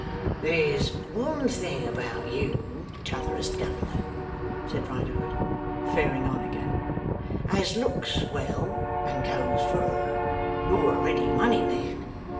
'There's one thing about you, T'otherest Governor,' said Riderhood, faring on again, 'as looks well and goes fur. You're a ready money man.